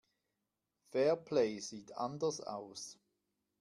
Fairplay sieht anders aus.